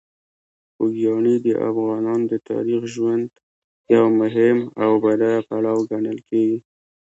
خوږیاڼي د افغانانو د تاریخي ژوند یو مهم او بډایه پړاو ګڼل کېږي.